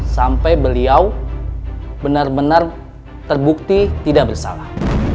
sampai beliau benar benar terbukti tidak bersalah